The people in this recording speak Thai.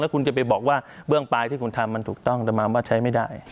คุณจะไปบอกว่าเบื้องปลายที่คุณทำมันถูกต้องแต่มาว่าใช้ไม่ได้